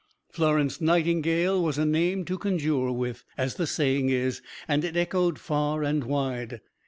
Florence Nightingale was a name to conjure with, as the saying is, and it echoed far and wide.